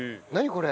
これ。